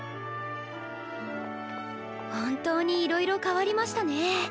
本当にいろいろ変わりましたねえ。